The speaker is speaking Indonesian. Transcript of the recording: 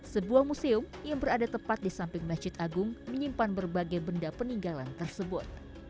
sebuah museum yang berada tepat di samping masjid agung menyimpan berbagai benda peninggalan tersebut